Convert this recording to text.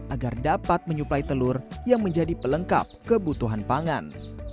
agar dapat menyuplai telur yang menjadi pelengkap kebutuhan pangan